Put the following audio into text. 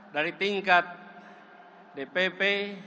dari tingkat dpp